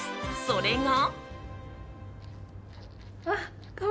それが。